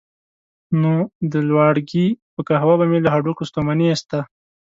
نو د لواړګي په قهوه به مې له هډوکیو ستوماني ایسته.